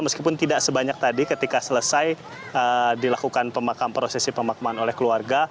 meskipun tidak sebanyak tadi ketika selesai dilakukan pemakaman prosesi pemakaman oleh keluarga